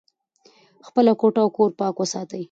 خپله کوټه او کور پاک وساتئ.